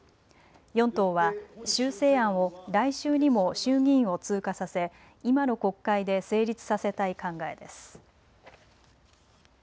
４党は修正案を来週にも衆議院を通過させ今の国会で成立させたい考えです。